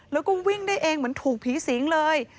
แล้วก็วิ่งได้เองเหมือนถูกผีสิงเลย